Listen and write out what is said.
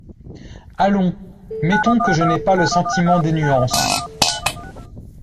Allons, mettons que je n’ai pas le sentiment des nuances…